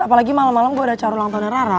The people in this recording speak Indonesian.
apalagi malam malam gue ada acara ulang tahunnya rara